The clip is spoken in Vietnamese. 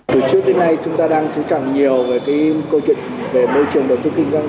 từ trước đến nay chúng ta đang chú trọng nhiều về câu chuyện về môi trường đầu tư kinh doanh